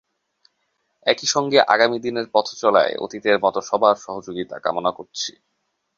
একই সঙ্গে আগামী দিনের পথচলায় অতীতের মতো সবার সহযোগিতা কামনা করছি।